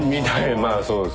まあそうです。